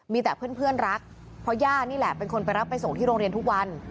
มีแต่เพื่อนรักเพราะย่านี่แหละเป็นคนไปรับไปส่งที่โรงเรียนทุกวัน